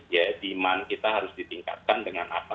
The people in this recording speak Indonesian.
jadi dimana kita harus ditingkatkan dengan apa